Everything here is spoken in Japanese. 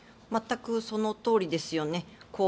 全くそのとおりですよね。